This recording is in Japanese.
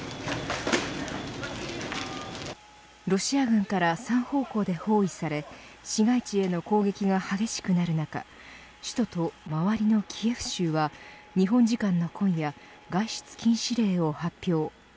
ロシア軍から３方向で包囲され市街地への攻撃が激しくなる中首都と周りのキエフ州は日本時間の今夜外出禁止令を発表。